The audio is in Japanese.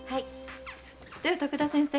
では徳田先生